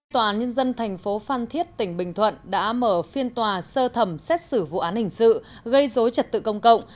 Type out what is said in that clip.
tòa án nhân dân thành phố phan thiết tỉnh bình thuận đã mở phiên tòa sơ thẩm xét xử vụ án hình sự gây dối trật tự công cộng